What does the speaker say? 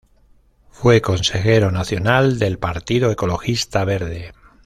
Fue Consejero Nacional del Partido Ecologista Verde.